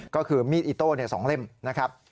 ก็คือมีดอิโต้๒เล่มนะครับ